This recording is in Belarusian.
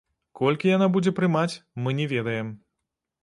Колькі яна будзе прымаць, мы не ведаем.